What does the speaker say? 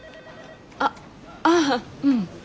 あっああううん。